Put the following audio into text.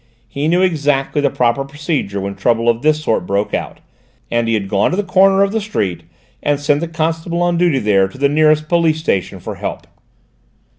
He knew exactly the proper procedure when trouble of this sort broke out, and he had gone to the corner of the street and sent the constable on duty there to the nearest police station for help.